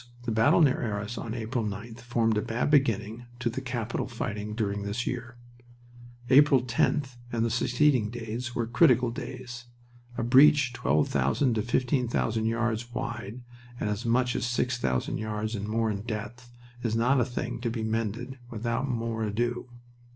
"The battle near Arras on April 9th formed a bad beginning to the capital fighting during this year. "April 10th and the succeeding days were critical days. A breach twelve thousand to fifteen thousand yards wide and as much as six thousand yards and more in depth is not a thing to be mended without more ado.